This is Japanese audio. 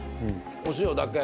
お塩だけ。